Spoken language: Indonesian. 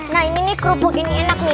nah ini nih kerupuk ini enak nih